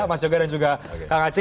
mas joga dan juga kang haci